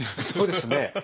そうですね。